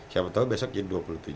siapa tahu besok jadi dua puluh tujuh